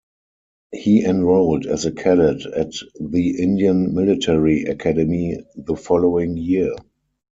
He enrolled as a cadet at the Indian Military Academy the following year.